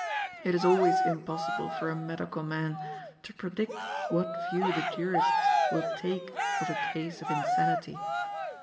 It is always impossible for a medical man to predict what view the jurists will take of a case of insanity.